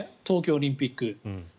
冬季オリンピック。